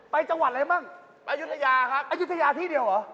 จังหวัดอะไรบ้างอายุทยาครับอายุทยาที่เดียวเหรอ